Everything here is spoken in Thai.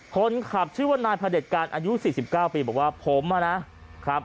คนขับชื่อว่านายพระเด็จการอายุ๔๙ปีบอกว่าผมนะครับ